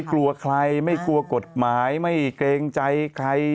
กลัวใครไม่กลัวกฎหมายไม่เกรงใจใคร